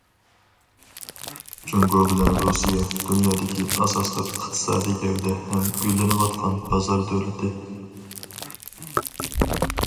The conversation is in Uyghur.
جۇڭگو بىلەن رۇسىيە دۇنيادىكى ئاساسلىق ئىقتىسادىي گەۋدە ھەم گۈللىنىۋاتقان بازار دۆلىتى.